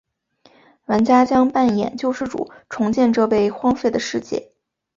玩家将扮演救世主重建这被荒废的世界。